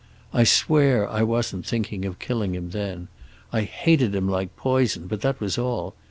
"I swear I wasn't thinking of killing him then. I hated him like poison, but that was all.